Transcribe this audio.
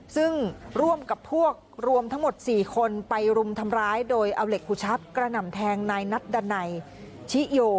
ซึ่งร่วมกับพวกรวมทั้งหมด๔คนไปรุมทำร้ายโดยเอาเหล็กกุชับกระหน่ำแทงนายนัดดันัยชิโย